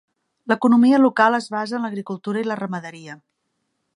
L'economia local es basa en l'agricultura i la ramaderia.